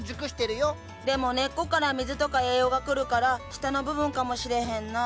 でも根っこから水とか栄養がくるから下の部分かもしれへんなあ。